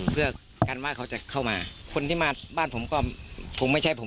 เพื่อกันว่าเขาจะเข้ามาคนที่มาบ้านผมก็คงไม่ใช่ผม